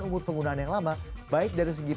umur penggunaan yang lama baik dari segi